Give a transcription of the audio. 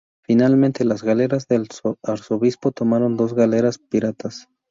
Finalmente, las galeras del arzobispo tomaron dos galeras piratas.